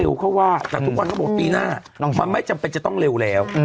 เอาเป็นการทำยังไง